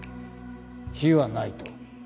非はないと？